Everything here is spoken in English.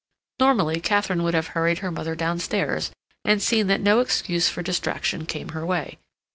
Normally, Katharine would have hurried her mother downstairs, and seen that no excuse for distraction came her way.